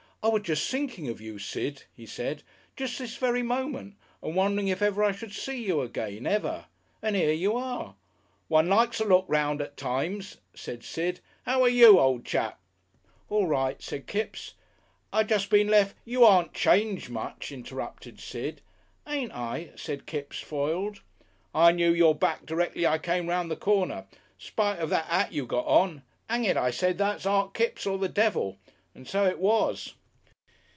"I was jest thinking of you, Sid," he said, "jest this very moment and wondering if ever I should see you again, ever. And 'ere you are!" "One likes a look 'round at times," said Sid. "How are you, old chap?" "All right," said Kipps. "I just been lef' " "You aren't changed much," interrupted Sid. "Ent I?" said Kipps, foiled. "I knew your back directly I came 'round the corner. Spite of that 'at you got on. Hang it, I said, that's Art Kipps or the devil. And so it was."